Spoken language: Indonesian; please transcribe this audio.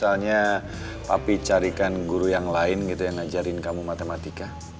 tapi coba ya papi carikan guru yang lain gitu yang ngajarin kamu matematika